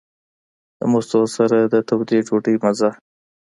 د مستو سره د تودې ډوډۍ مزه.